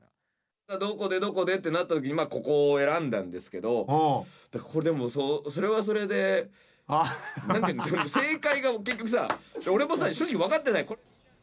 どこでどこでってなったときに、ここを選んだんですけど、これはでも、それはそれでなんて言うの、正解が結局さ、俺、結局さ、俺も正直分かってない。